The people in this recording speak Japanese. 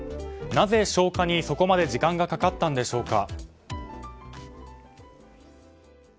なぜ消火にそこまで時間がかかったのでしょうか。